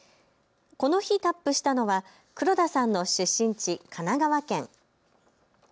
この日タップしたのは黒田さんの出身地、神奈川県。